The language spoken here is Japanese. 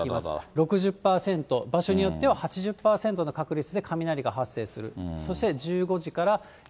６０％、場所によっては８０％の確率で雷が発生する。